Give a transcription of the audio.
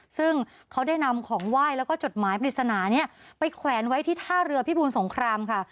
ซึ่งเขาได้นำของไหว้แล้วก็จดหมายปริศนานี้ไปแขวนไว้ที่ท่าเรือพิบูรสงครามค่ะ